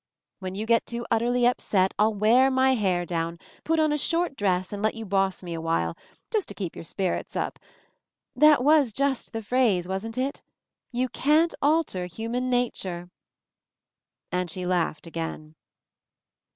When you get too utterly upset I'll wear my hair down, put on a short dress and let you boss me awhile — to keep your spirits up. That was just the phrase, wasn't it? — 'You can't alter human nature !'" And she laughed again.